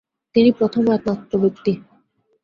তিনি প্রথম ও একমাত্র ব্যক্তি।